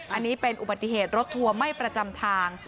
อันนี้เป็นอุบัติเหตุรถทัวร์ไม่ประจำทาง